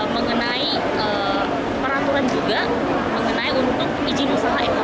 mengenai peraturan juga mengenai untuk izin usaha e commerce